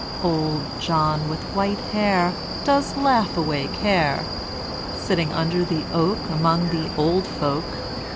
Old John, with white hair, Does laugh away care, Sitting under the oak, Among the old folk.